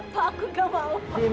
pak aku gak mau mbah